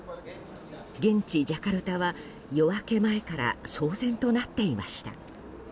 現地ジャカルタは夜明け前から騒然となっていました。